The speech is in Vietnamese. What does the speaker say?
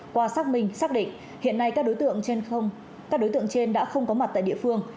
qua xác minh xác định hiện nay các đối tượng trên đã không có mặt tại địa phương